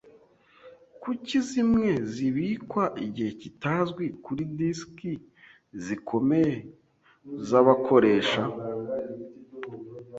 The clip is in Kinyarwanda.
Kuki zimwe zibikwa igihe kitazwi kuri disiki zikomeye zabakoresha.